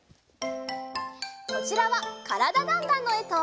こちらは「からだ★ダンダン」のえと。